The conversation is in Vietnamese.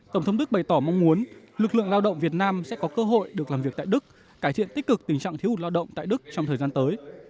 tổng thống đức bày tỏ mong muốn lực lượng lao động việt nam sẽ có cơ hội được làm việc tại đức cải thiện tích cực tình trạng thiếu hụt lao động tại đức trong thời gian tới